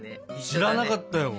知らなかったよ。